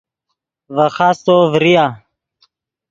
ڤے خاستو ڤریا